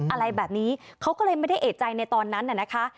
อะไรแบบนี้เขาก็เลยไม่ได้เอกใจในตอนนั้นน่ะนะคะ